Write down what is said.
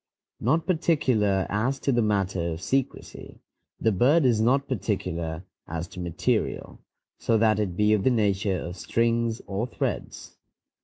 Not particular as to the matter of secrecy, the bird is not particular as to material, so that it be of the nature of strings or threads.